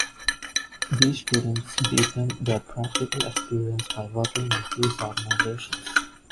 These students deepen their practical experience by working at these organizations.